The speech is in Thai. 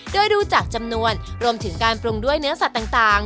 โดยดูจากจำนวนรวมถึงการปรุงด้วยเนื้อสัตว์ต่าง